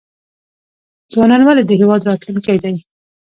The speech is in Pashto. ځوانان ولې د هیواد راتلونکی دی؟